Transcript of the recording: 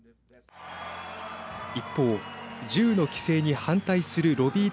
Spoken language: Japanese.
一方銃の規制に反対するロビー